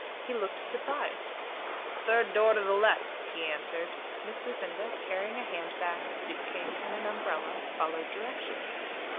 He looked surprised. "Third door to the left," he answered. Miss Lucinda, carrying a hand bag, a suit case, and an umbrella, followed directions.